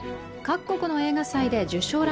各国の映画祭で受賞